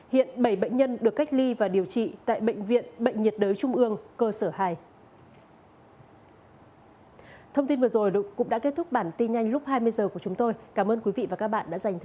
hiện bảy bệnh nhân được cách ly và điều trị tại bệnh viện bệnh nhiệt đới trung ương